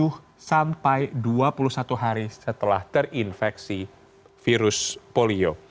tujuh sampai dua puluh satu hari setelah terinfeksi virus polio